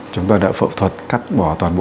chúng tôi đã phẫu thuật cắt bỏ toàn bộ